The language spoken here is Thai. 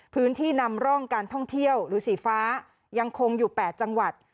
พื้นที่นำร่องการท่องเที่ยวหรือสีฟ้ายังคงอยู่๘จังหวัด